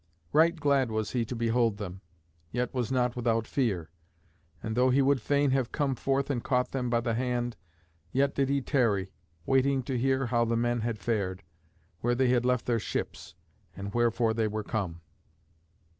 Right glad was he to behold them, yet was not without fear; and though he would fain have come forth and caught them by the hand, yet did he tarry, waiting to hear how the men had fared, where they had left their ships, and wherefore they were come.